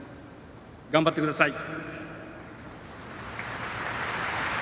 頑張ってください。